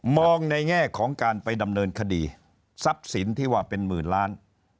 ในแง่ของการไปดำเนินคดีทรัพย์สินที่ว่าเป็นหมื่นล้าน